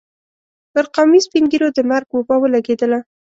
پر قومي سپين ږيرو د مرګ وبا ولګېدله.